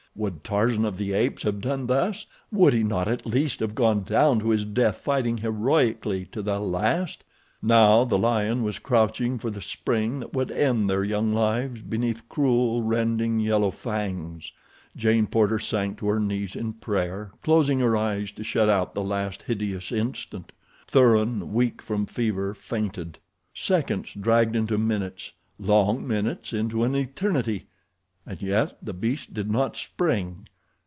Would Tarzan of the Apes have done thus? Would he not at least have gone down to his death fighting heroically to the last? Now the lion was crouching for the spring that would end their young lives beneath cruel, rending, yellow fangs. Jane Porter sank to her knees in prayer, closing her eyes to shut out the last hideous instant. Thuran, weak from fever, fainted. Seconds dragged into minutes, long minutes into an eternity, and yet the beast did not spring.